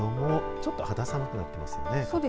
ちょっと肌寒くなってますね。